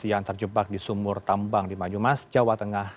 yang terjebak di sumur tambang di banyumas jawa tengah